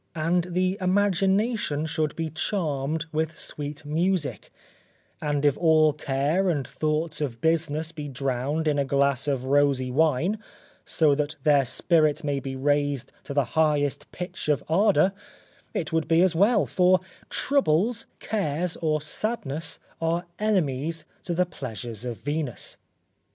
And the imagination should be charmed with sweet music, and if all care and thoughts of business be drowned in a glass of rosy wine, so that their spirit may be raised to the highest pitch of ardour, it would be as well, for troubles, cares or sadness are enemies to the pleasures of Venus.